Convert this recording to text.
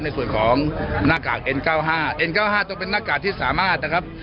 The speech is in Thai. ในส่วนของหน้ากากเอ็นเก้าห้าเอ็นเก้าห้าต้องเป็นหน้ากากที่สามารถนะครับ